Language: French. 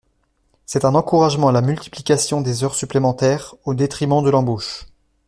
C’est un encouragement à la multiplication des heures supplémentaires au détriment de l’embauche.